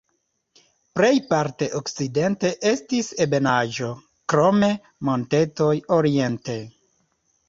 Plejparte okcidente estis ebenaĵo, krome montetoj oriente.